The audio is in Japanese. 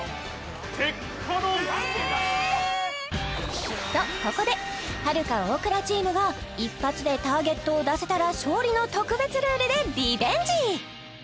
鉄火丼とここではるか・大倉チームが一発でターゲットを出せたら勝利の特別ルールでリベンジ！